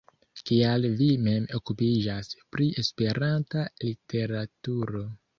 Kial vi mem okupiĝas pri Esperanta literaturo?